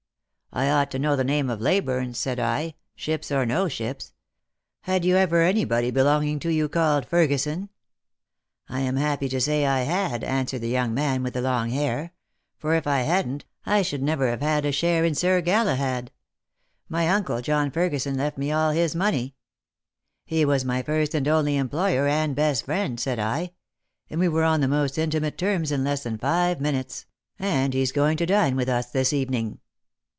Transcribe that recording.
'I ought to know the name of Leyburne,' said I, ' ships or no ships. Had you ever anybody belonging to you called Ferguson?' ' I'm happy to say I had,' answered the young man with the long hair ;' for if I hadn't, I should never have had a share in 26 Lost for Love. Sir Galahad. My uncle, John Ferguson, left me all his money.' ' He was my first and only employer, and best friend,' said I ; and we were on the most intimate terms in less than five minutes ; and he's going to dine with us this evening."